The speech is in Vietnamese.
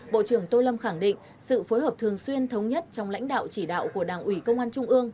bộ trưởng tô lâm khẳng định sự phối hợp thường xuyên thống nhất trong lãnh đạo chỉ đạo của đảng ủy công an trung ương